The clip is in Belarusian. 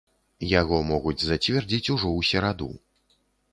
Яго могуць зацвердзіць ужо ў сераду.